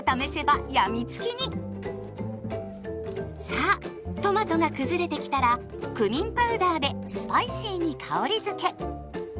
さあトマトが崩れてきたらクミンパウダーでスパイシーに香りづけ。